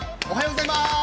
おはようございます。